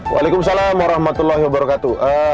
waalaikumsalam warahmatullahi wabarakatuh